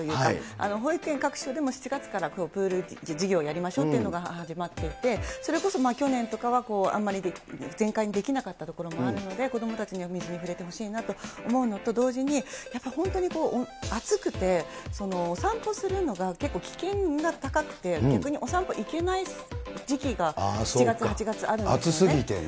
私も水つながりで、ちなみになんですけど、うちの子どもが通っている保育園も７月１日から、プール開きというか、保育園各所でも、７月からプール授業やりましょうっていうのが、始まっていて、それこそ去年とかは、あんまり、全開にできなかったところもあるので、子どもたちには水に触れてほしいなと思うのと同時に、やっぱり本当に暑くて、お散歩するのが結構危険が高くて、逆にお散歩行けない時期が、暑すぎてね。